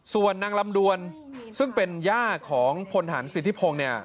ส่วนนางลำดวนซึ่งเป็นย่าของพลหารสิทธิพง